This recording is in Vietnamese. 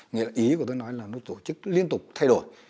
nghĩa là ý của tôi nói là nó tổ chức liên tục thay đổi